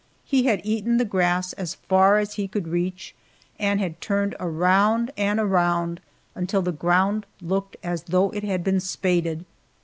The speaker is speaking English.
He had eaten the grass as far as he could reach, and had turned around and around until the ground looked as though it had been spaded.